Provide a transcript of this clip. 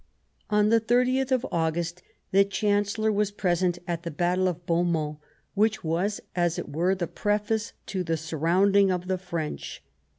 On the 30th of August the Chancellor was present at the Battle of Beaumont, which was, as it were, the preface to the surrounding of the French.